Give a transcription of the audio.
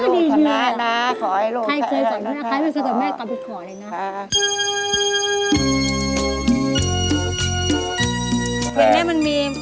เดี๋ยวแม่มี